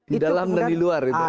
di dalam dan di luar gitu